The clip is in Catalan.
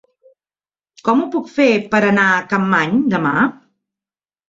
Com ho puc fer per anar a Capmany demà?